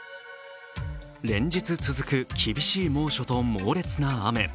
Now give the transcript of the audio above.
連日続く厳しい猛暑と猛烈な雨。